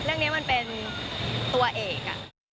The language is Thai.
เรื่องนี้มันเป็นตัวเอก